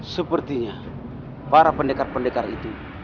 sepertinya para pendekar pendekar itu